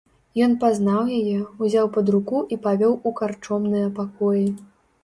Ён пазнаў яе, узяў пад руку і павёў у карчомныя пакоі.